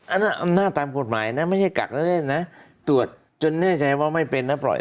อันนั้นตามกฎหมายนะไม่ใช่กักนะตรวจจนแน่ใจว่าไม่เป็นแล้วปล่อย